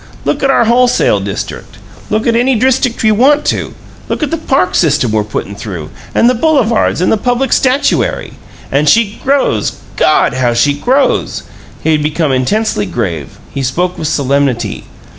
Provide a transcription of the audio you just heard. Look at our wholesale district; look at any district you want to; look at the park system we're puttin' through, and the boulevards and the public statuary. And she grows. God! how she grows!" He had become intensely grave; he spoke with solemnity.